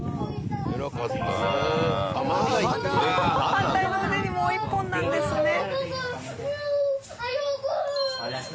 反対の腕にもう一本なんですね。